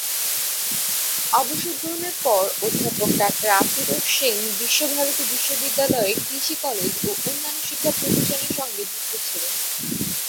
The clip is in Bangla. অবসর গ্রহণের পর অধ্যাপক ডাক্তার আশুতোষ সেন বিশ্বভারতী বিশ্ববিদ্যালয়ের কৃষি কলেজ ও অন্যান্য শিক্ষা প্রতিষ্ঠানের সঙ্গে যুক্ত ছিলেন।